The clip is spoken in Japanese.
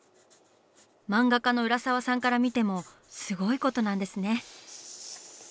漫画家の浦沢さんから見てもすごいことなんですね。